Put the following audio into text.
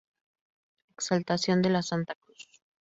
Exaltación de la Santa Cruz.